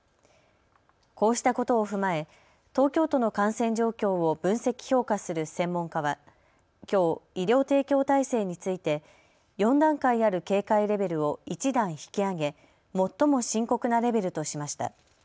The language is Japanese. こうしたことを踏まえ東京都の感染状況を分析・評価する専門家はきょう医療提供体制について４段階ある警戒レベルを１段引き上げ最も深刻なレベルとしました。